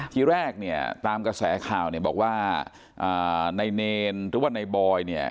ทีแรกเนี่ยตามกระแสข่าวเนี่ยบอกว่าในเนรหรือว่าในบอยเนี่ย